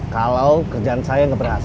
kalau kerjaan saya nggak berhasil